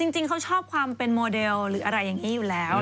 จริงเขาชอบความเป็นโมเดลหรืออะไรอย่างนี้อยู่แล้ว